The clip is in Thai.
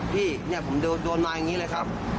พี่เนี่ยผมโดนมาอย่างนี้เลยครับ